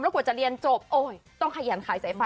กว่าจะเรียนจบโอ้ยต้องขยันขายสายไฟ